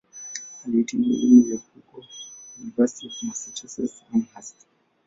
Alihitimu elimu ya juu huko "University of Massachusetts-Amherst".